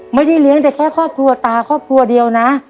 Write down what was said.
ไม่ได้เลี้ยงแต่แค่ครอบครัวตาครอบครัวเดียวนะ